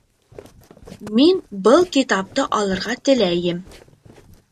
Мин был китапты алырға теләйем.